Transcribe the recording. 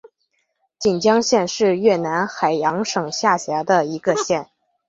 锦江县是越南海阳省下辖的一个县。